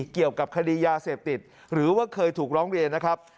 เกี่ยวกับคดียาเสพติดหรือว่าเคยถูกร้องเรียนนะครับ